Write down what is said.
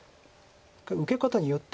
受け方によっては。